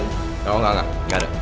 engga engga engga gak ada